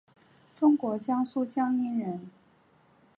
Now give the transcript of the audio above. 中国江苏江阴人。